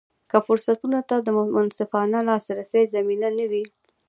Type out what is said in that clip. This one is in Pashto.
که فرصتونو ته د منصفانه لاسرسي زمینه نه وي.